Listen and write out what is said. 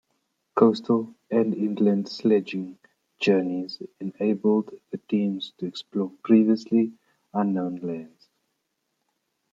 Coastal and inland sledging journeys enabled the teams to explore previously unknown lands.